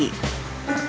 ini memang sangat berharga